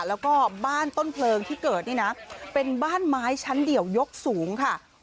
แล้วก็บ้านต้นเพลิงที่เกิดนี่นะเป็นบ้านไม้ชั้นเดียวยกสูงค่ะ